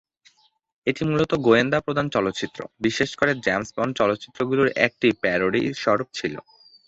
এটি মূলত গোয়েন্দা প্রধান চলচ্চিত্র, বিশেষ করে জেমস বন্ড চলচ্চিত্র গুলোর একটি প্যারোডি স্বরুপ ছিল।